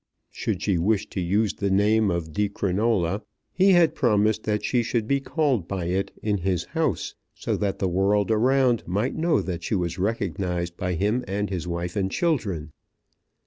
Should she wish to use the name of Di Crinola, he had promised that she should be called by it in his house; so that the world around might know that she was recognized by him and his wife and children.